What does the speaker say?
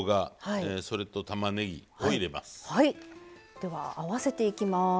では合わせていきます。